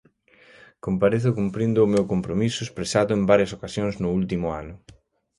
Comparezo cumprindo o meu compromiso expresado en varias ocasións no último ano.